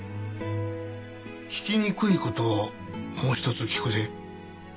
聞きにくい事をもう一つ聞くぜ。